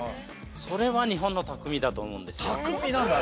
それは日本の匠だと思うんですよ。